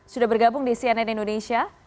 sudah bergabung di cnn indonesia